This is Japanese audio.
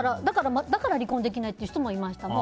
だから離婚できないっていう人もいました。